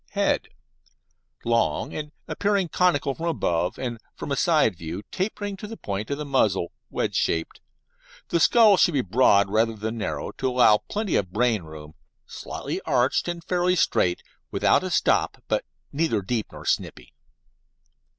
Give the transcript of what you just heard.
HEAD Long, and appearing conical from above, and from a side view, tapering to the point of the muzzle, wedge shaped. The skull should be broad rather than narrow, to allow plenty of brain room, slightly arched, and fairly straight, without a stop, but not deep or snipy.